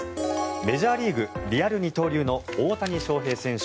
メジャーリーグ、リアル二刀流の大谷翔平選手。